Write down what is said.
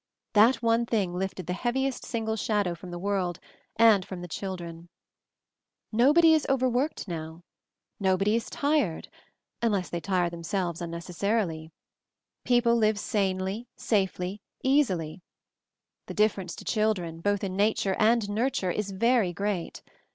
That one thing lifted the heaviest single shadow from the world, and from the chil dren. "Nfobody is overworked now. Nobody is tired, unless they tire themselves unneces sarily. People live sanely, safely, easily. The difference to children, both in nature and nurture, is very great.